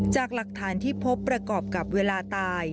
จากหลักฐานที่พบประกอบกับเวลาตาย